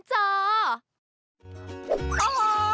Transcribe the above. เจ้าแจ๊กริมเจ้า